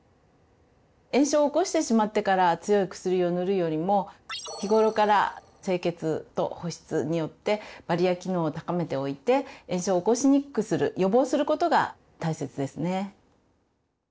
炎症を起こしてしまってから強い薬を塗るよりも日頃から清潔と保湿によってバリア機能を高めておいて炎症を起こしにくくする予防することが大切ですね。